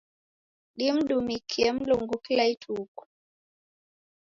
Dimdumikie mlungu kila ituku.